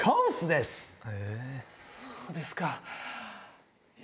そうですか。